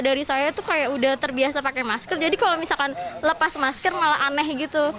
dari saya tuh kayak udah terbiasa pakai masker jadi kalau misalkan lepas masker malah aneh gitu